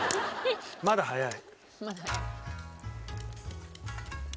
まだ早い。